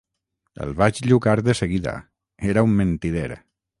El vaig llucar de seguida: era un mentider.